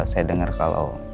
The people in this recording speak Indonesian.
saya dengar kalau